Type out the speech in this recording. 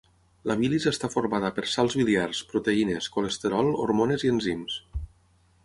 La bilis està formada per sals biliars, proteïnes, colesterol, hormones i enzims.